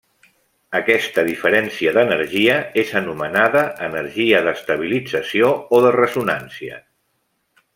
Aquesta diferència d'energia és anomenada energia d'estabilització o de ressonància.